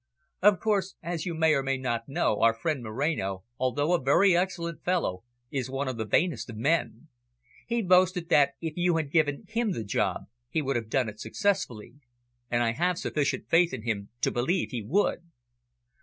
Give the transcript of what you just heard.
"Of course, as you may or may not know, our friend Moreno, although a very excellent fellow, is one of the vainest of men. He boasted that if you had given him the job he would have done it successfully. And I have sufficient faith in him to believe he would."